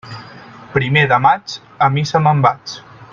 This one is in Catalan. Primer de maig, a missa me'n vaig.